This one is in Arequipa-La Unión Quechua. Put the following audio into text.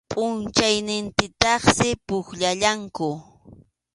Pʼunchawnintintaqsi pukllallanku.